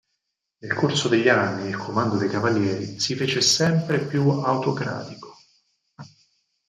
Nel corso degli anni, il comando dei Cavalieri si fece sempre più autocratico.